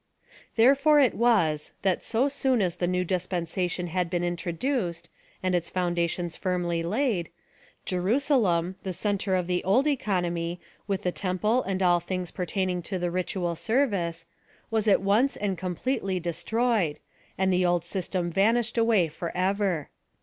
Therefore it was, that so soon as the new dis pensation had been introduced, and its foundations , firmly laid, Jerusalem, the centre of the old econo my, with the temple and all things pertaining to the ritual service, was at once and completely de stroyed, and the old system vanished away forever.